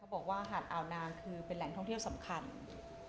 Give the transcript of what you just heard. เขาบอกว่าหาดอาวน้ำเป็นแหล่งท่องเที่ยวสำคัญ